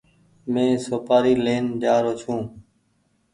مينٚ سوپآري لين جآرو ڇوٚنٚ